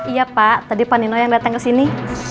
iya pak tadi pak nino yang datang kesini